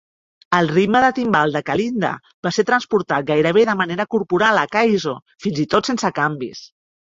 El ritme de timbal de Kalinda va ser transportat gairebé de manera corporal a Kaiso fins i tot sense canvis.